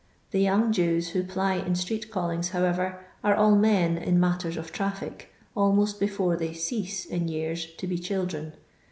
The young Jews who ply in street callings, howerer, are all men in mattan of traffic, almost before ther cease, in years, to be children.